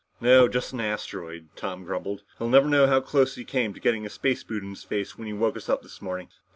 "No, just an asteroid," Tom grumbled. "He'll never know how close he came to getting a space boot in the face when he woke us up this morning.